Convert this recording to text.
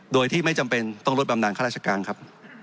โดยที่ไม่จำเป็นต้องลดบำนานข้าราชการครับ